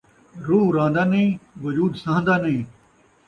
روح رہن٘دا نئیں ، وجود سہن٘دا نئیں